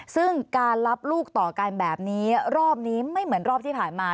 ซึ่งการรับลูกต่อกันแบบนี้รอบนี้ไม่เหมือนรอบที่ผ่านมา